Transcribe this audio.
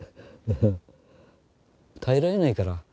耐えられないから。